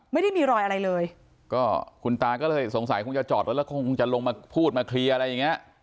ไม่ได้มีรอยอะไรเลยก็คุณตาก็เลยสงสัยคงจะจอดรถแล้วคงจะลงมาพูดมาเคลียร์อะไรอย่างเงี้ย